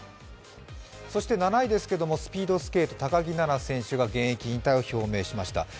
７位ですけれどもスピードスケート高木菜那選手が現役引退を表明しました。